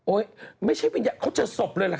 โอ๊ยไม่ใช่วิญญาณเขาเจอศพเลยแหละค่ะ